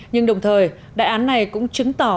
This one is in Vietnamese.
nhưng đồng thời đại án này cũng chứng tỏ